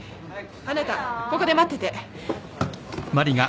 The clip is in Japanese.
あなたここで待ってて。